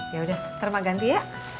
ya udah nanti mak ganti ya